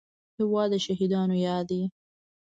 هېواد د شهیدانو یاد دی.